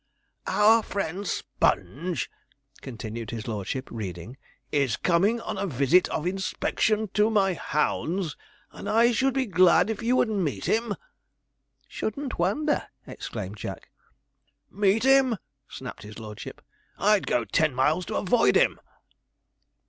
"Our friend Sponge,"' continued his lordship, reading, '"is coming on a visit of inspection to my hounds, and I should be glad if you would meet him."' 'Shouldn't wonder!' exclaimed Jack. 'Meet him!' snapped his lordship; 'I'd go ten miles to avoid him.'